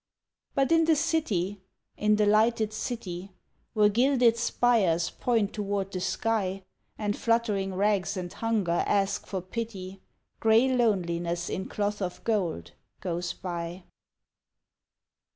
But in the city in the lighted city Where gilded spires point toward the sky, And fluttering rags and hunger ask for pity, Grey Loneliness in cloth of gold, goes by.